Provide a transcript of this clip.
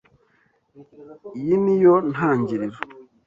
Iyi niyo ntangiriro.